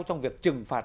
trong việc trừng phạt